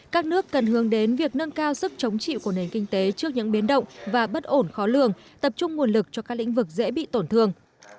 các nước cần hướng đến việc nâng cao sức chống chịu của nền kinh tế trước những biến động và bất ổn khó lường tập trung nguồn lực cho các lĩnh vực dễ bị tổn thương